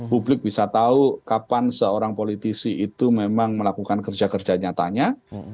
publik bisa tahu kapan seorang politisi itu memang melakukan kerja kerja nyatanya